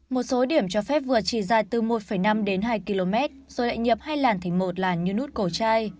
một số điểm cho phép vừa chỉ dài từ một năm đến hai km rồi lại nhập hai làn thành một là như nút cổ chai